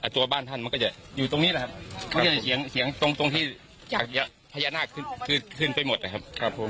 ตัวบ้านท่านมันก็จะอยู่ตรงนี้แหละครับมันก็จะเฉียงตรงที่พญานาคขึ้นไปหมดครับ